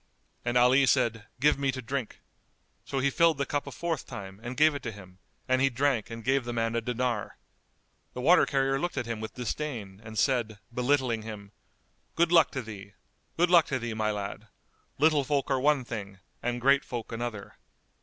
And Ali said, "Give me to drink." So he filled the cup a fourth time and gave it to him; and he drank and gave the man a dinar. The water carrier looked at him with disdain and said, belittling him, "Good luck to thee! Good luck to thee, my lad! Little folk are one thing and great folk another!"